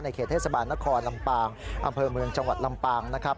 เขตเทศบาลนครลำปางอำเภอเมืองจังหวัดลำปางนะครับ